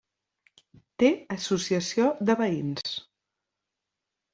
Té associació de veïns.